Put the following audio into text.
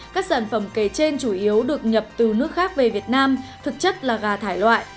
các sản phẩm kể trên chủ yếu được nhập từ nước khác về việt nam thực chất là gà thải loại